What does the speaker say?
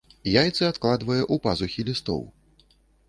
Яйцы адкладвае ў пазухі лістоў.